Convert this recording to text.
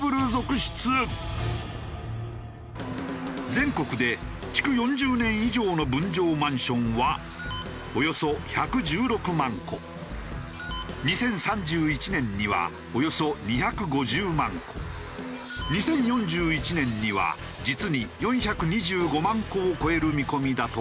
全国で築４０年以上の分譲マンションはおよそ１１６万戸２０３１年にはおよそ２５０万戸２０４１年には実に４２５万戸を超える見込みだという。